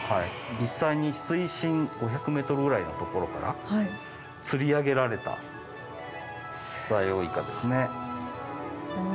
実際に水深５００ｍぐらいの所から釣り上げられたダイオウイカですね。